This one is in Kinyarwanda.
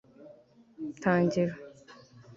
tangira